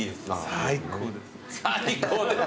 「最高です」